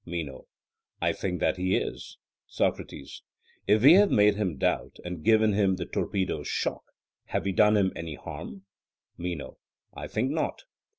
MENO: I think that he is. SOCRATES: If we have made him doubt, and given him the 'torpedo's shock,' have we done him any harm? MENO: I think not.